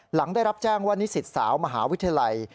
หลังได้รับแจ้งว่านิสิตสาวมหาวิทยาลัย